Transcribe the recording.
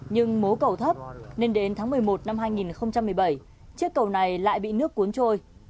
nhưng mố cầu thấp nên đến tháng một mươi một năm hai nghìn một mươi bảy chiếc cầu này lại bị nước cuốn trôi